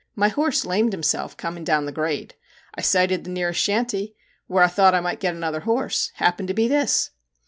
My horse lamed himself coming down the grade. I sighted the nearest shanty, where I thought I might get another horse. It happened to be this.'